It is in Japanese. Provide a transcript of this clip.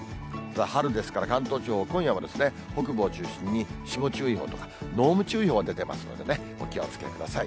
春ですから、関東地方、今夜は北部を中心に霜注意報とか、濃霧注意報が出てますのでね、お気をつけください。